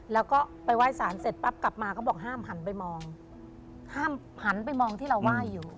แล้วก็ไปไหว้สารเสร็จปั๊บกลับมาก็บอกห้ามหันไปมองห้ามหันไปมองที่เราไหว้อยู่